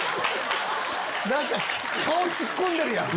顔突っ込んでるやん！